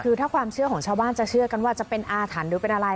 คือถ้าความเชื่อของชาวบ้านจะเชื่อกันว่าจะเป็นอาถรรพ์หรือเป็นอะไร